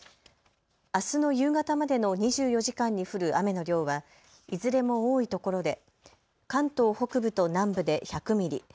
あすの夕方までの２４時間に降る雨の量はいずれも多いところで関東北部と南部で１００ミリ